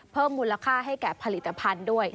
เพิ่มมูลค่าให้แก่ผลิตภัณฑ์ด้วย